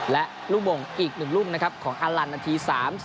และลูกบ่งอีกหนึ่งรุ่งของอัลลันนาที๓๗